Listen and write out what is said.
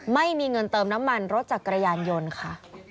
ไม่มีเงินเติมน้ำมันรถจักรยานยนต์ค่ะ